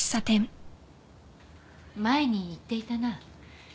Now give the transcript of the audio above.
前に言っていたな